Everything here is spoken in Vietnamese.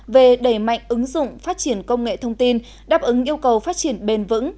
về đẩy mạnh ứng dụng phát triển công nghệ thông tin đáp ứng yêu cầu phát triển bền vững